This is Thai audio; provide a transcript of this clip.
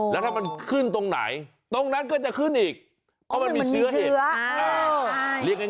แล้วถ้ามันขึ้นตรงไหนตรงนั้นก็จะขึ้นอีก